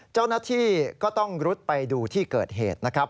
เจ้าหน้าที่ก็ต้องรุดไปดูที่เกิดเหตุนะครับ